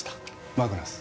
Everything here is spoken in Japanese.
マグナス。